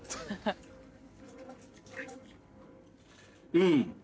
うん。